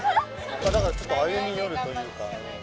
だからちょっと歩み寄るというか。